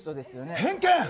偏見！